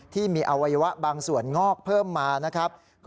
ที่มีอวัยวะบางส่วนงอกเพิ่มมานะครับ